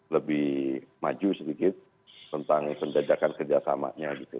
lebih maju sedikit tentang penjajakan kerjasamanya gitu